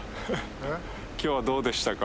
えっ？今日はどうでしたか？